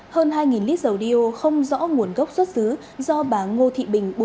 hơn hai lít dầu đeo không rõ nguồn gốc xuất xứ do bà ngô thị bình